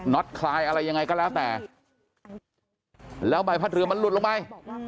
็ตคลายอะไรยังไงก็แล้วแต่แล้วใบพัดเรือมันหลุดลงไป